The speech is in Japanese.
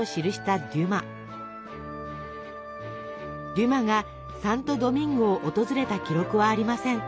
デュマがサントドミンゴを訪れた記録はありません。